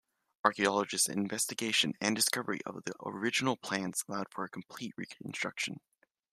Archaeological investigations and the discovery of the original plans allowed a complete reconstruction.